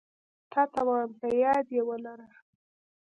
تاته وايم په ياد يي ولره